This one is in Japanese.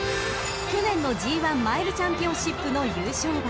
［去年のＧⅠマイルチャンピオンシップの優勝馬］